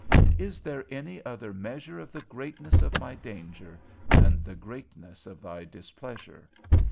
Is there any other measure of the greatness of my danger, than the greatness of thy displeasure?